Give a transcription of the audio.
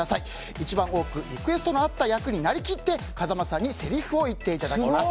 一番多くリクエストのあった役になりきって風間さんにせりふを言っていただきます。